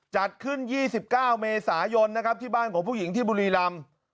จัดขึ้น๒๙เมษายนนะครับที่บ้านของผู้หญิงที่บุรีรำ